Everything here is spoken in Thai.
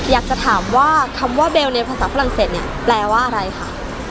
อยากจะถามว่าคำว่าเบลในภาษาฝรั่งเศสเนี่ยแปลว่าอะไรค่ะ